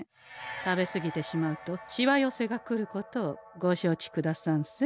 食べすぎてしまうとしわ寄せがくることをご承知くださんせ。